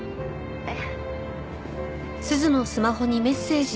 えっ？